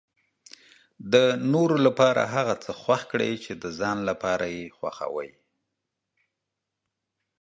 د نورو لپاره هغه څه خوښ کړئ چې د ځان لپاره یې خوښوي.